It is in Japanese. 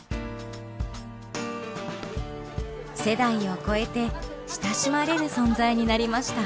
世代を超えて親しまれる存在になりました。